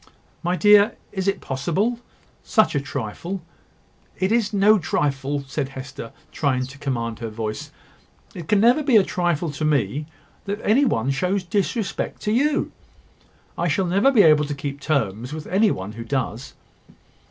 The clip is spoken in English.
"My dear! is it possible?" cried Edward. "Such a trifle ." "It is no trifle," said Hester, trying to command her voice; "it can never be a trifle to me that any one shows disrespect to you. I shall never be able to keep terms with any one who does."